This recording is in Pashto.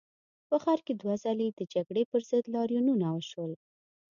په ښار کې دوه ځلي د جګړې پر ضد لاریونونه وشول.